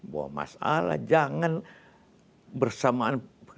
bahwa masalah jangan bersamaan